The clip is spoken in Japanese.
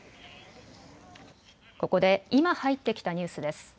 ここで今入ってきたニュースです。